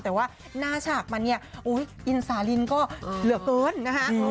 แต่ว่าหน้าฉากมันเนี่ยอินสาลินก็เหลือเกินนะคะ